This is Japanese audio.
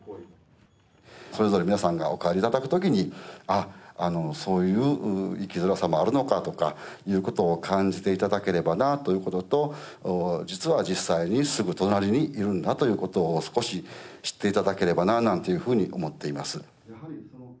それぞれ皆さんがお帰りいただく時にそういう生きづらさもあるのかとかいうことを感じていただければなということと実は実際にすぐ隣にいるんだということを少し知っていただければななんていうふうに思っています